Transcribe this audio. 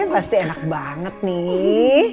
pasti enak banget nih